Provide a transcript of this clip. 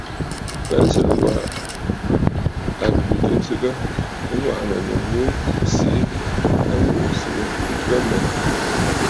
Pensə̀lə̀ wa a lwìtə̀ ǹsɨgə, bɨ ŋwàʼànə̀ nɨ ghu siʼi a ghuʼu nsɨgə ntɨgə mmɛ.